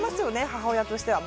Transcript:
母親としては。